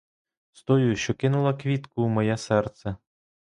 З тою, що кинула квітку у моє серце.